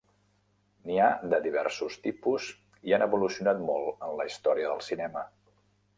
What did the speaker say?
N'hi ha de diversos tipus i han evolucionat molt en la història del cinema.